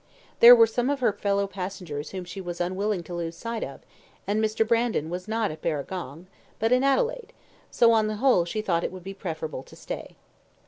There were some of her fellow passengers whom she was unwilling to lose sight of; and Mr. Brandon was not at Barragong, but in Adelaide, so, on the whole, she thought it would be preferable to stay.